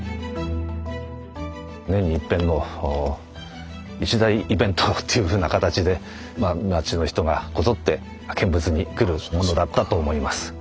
年にいっぺんの一大イベントっていうふうな形で町の人がこぞって見物に来るものだったと思います。